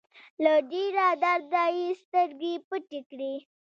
له ډېره درده يې سترګې پټې کړې.